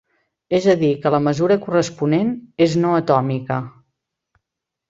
És a dir, que la mesura corresponent és no atòmica.